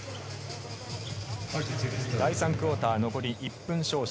第３クオーター、残り１分少々。